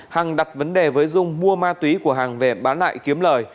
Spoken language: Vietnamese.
hằng đặt vấn đề với dung mua ma túy của hằng về bán lại kiếm lời